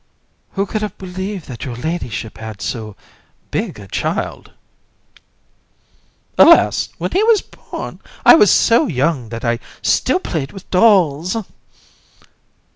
JU. Who could have believed that your ladyship had so big a child. COUN. Alas! when he was born, I was so young that I still played with dolls.